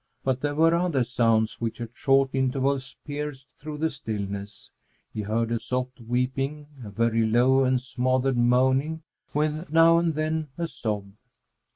But there were other sounds which at short intervals pierced through the stillness. He heard a soft weeping, a very low and smothered moaning, with now and then a sob.